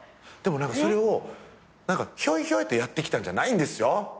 でも何かそれをひょいひょいとやってきたんじゃないんですよ